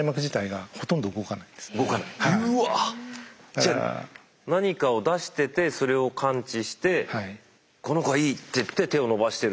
じゃ何かを出しててそれを感知してこの子はいい！っていって手を伸ばしてる。